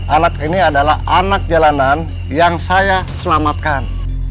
anak ini adalah anak jalanan yang saya selamatkan